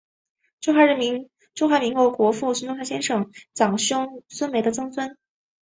中华民国国父孙中山先生长兄孙眉的曾孙。